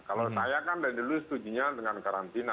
kalau saya kan dari dulu setujunya dengan karantina